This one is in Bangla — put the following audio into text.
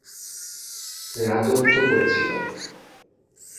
রাজত্ব করেছিল।